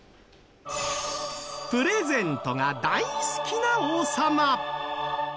プレゼントが大好きな王様。